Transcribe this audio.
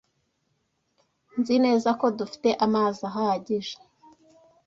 Nzi neza ko dufite amazi ahagije.